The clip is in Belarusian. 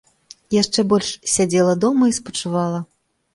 Яшчэ больш сядзела дома і спачувала.